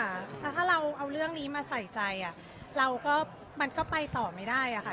แต่ถ้าเราเอาเรื่องนี้มาใส่ใจเราก็มันก็ไปต่อไม่ได้อะค่ะ